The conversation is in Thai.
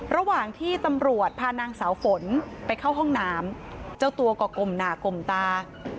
ระหว่างที่ตำรวจพานางสาวฝนไปเข้าห้องน้ำเจ้าตัวก็กลมหนากลมตา